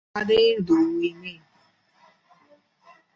তাঁদের দুই মেয়ে।